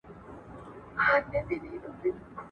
ادبي پروګرامونه باید نوي او جالب وي.